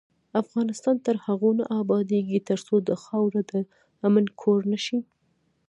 افغانستان تر هغو نه ابادیږي، ترڅو دا خاوره د امن کور نشي.